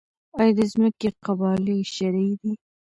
آیا د ځمکې قبالې شرعي دي؟